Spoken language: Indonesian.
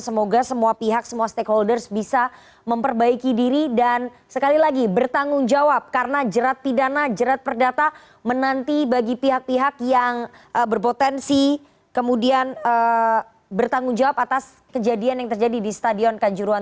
semoga semua pihak semua stakeholders bisa memperbaiki diri dan sekali lagi bertanggung jawab karena jerat pidana jerat perdata menanti bagi pihak pihak yang berpotensi kemudian bertanggung jawab atas kejadian yang terjadi di stadion kanjuruan